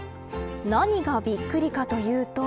何がびっくりかというと。